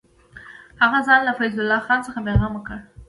هغه ځان له فیض الله خان څخه بېغمه کړ.